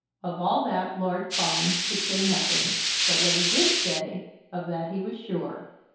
Of all that Lord Fawn could say nothing. But what he did say, of that he was sure.